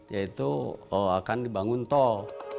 yaitu akan dibangun tol